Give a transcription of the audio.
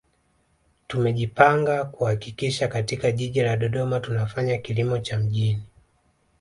Tumejipanga kuhakikisha katika Jiji la Dodoma tunafanya kilimo cha mjini